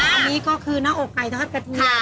อันนี้ก็คือหน้าอกไก่ทอดกระเทียม